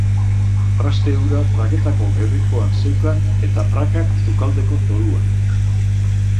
Traste hura praketako gerrikoan zeukan, eta prakak sukaldeko zoruan.